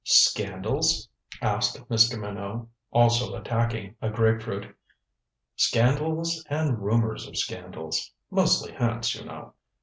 "Scandals?" asked Mr. Minot, also attacking a grapefruit. "Scandals and rumors of scandals. Mostly hints, you know.